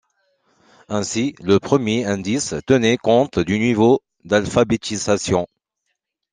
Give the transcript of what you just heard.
Ainsi, le premier indice tenait compte du niveau d'alphabétisation.